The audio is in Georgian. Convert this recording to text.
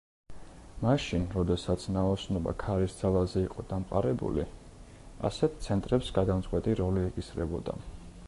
მაშინ, როდესაც ნაოსნობა ქარის ძალაზე იყო დამყარებული, ასეთ ცენტრებს გადამწყვეტი როლი ეკისრებოდა.